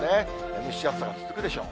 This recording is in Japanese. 蒸し暑さが続くでしょう。